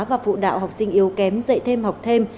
và phụ đạo học sinh yếu kém dạy thêm học thêm